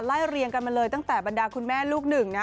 เรียงกันมาเลยตั้งแต่บรรดาคุณแม่ลูกหนึ่งนะ